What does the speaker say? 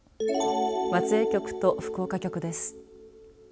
松江局と福岡局です。